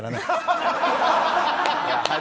ハハハハ！